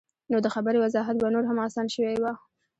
نو د خبرې وضاحت به نور هم اسان شوے وۀ -